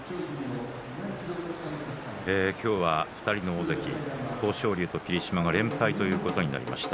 今日は２人の大関豊昇龍と霧島が連敗となりました。